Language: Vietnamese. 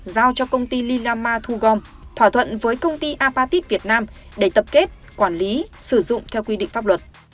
giao cho công ty lilama thu gom thỏa thuận với công ty apatit việt nam để tập kết quản lý sử dụng theo quy định pháp luật